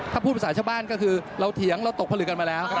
ถ้าพูดภาษาชาวบ้านก็คือเราเถียงเราตกผลึกกันมาแล้ว